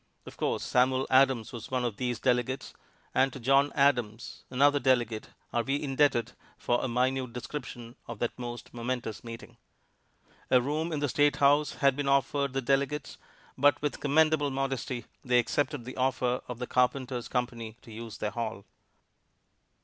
Of course Samuel Adams was one of these delegates; and to John Adams, another delegate, are we indebted for a minute description of that most momentous meeting. A room in the State House had been offered the delegates, but with commendable modesty they accepted the offer of the Carpenters' Company to use their hall.